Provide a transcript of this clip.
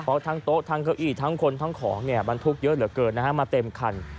เพราะทั้งโต๊ะทั้งเก้าอี้ทั้งคนทั้งของเนี่ยบรรทุกเยอะเหลือเกินนะฮะมาเต็มคัน